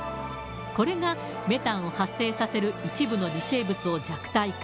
これがメタンを発生させる一部の微生物を弱体化。